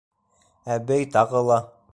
Әбей тағы ла: